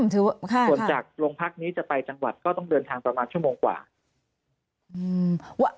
ส่วนจากโรงพักนี้จะไปจังหวัดก็ต้องเดินทางประมาณชั่วโมงกว่า